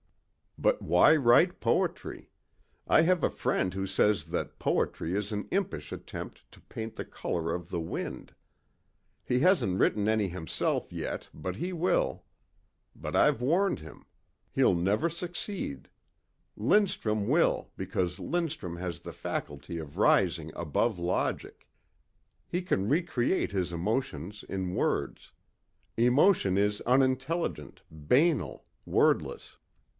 "But why write poetry. I have a friend who says that poetry is an impish attempt to paint the color of the wind. He hasn't written any himself yet but he will. But I've warned him. He'll never succeed. Lindstrum will because Lindstrum has the faculty of rising above logic. He can recreate his emotions in words. Emotion is unintelligent, banal, wordless.